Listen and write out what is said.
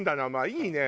いいね！